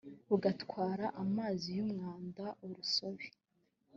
rugatwara amazi y umwanda urusobe